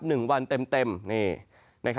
หนึ่งวันเต็มนี่